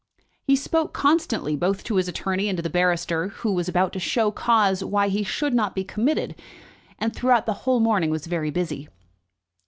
He spoke constantly, both to his attorney and to the barrister who was to show cause why he should not be committed, and throughout the whole morning was very busy.